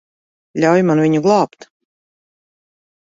Ļauj man viņu glābt.